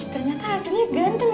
ih ternyata aslinya ganteng